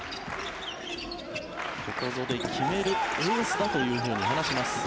ここぞで決めるエースだというふうに話します。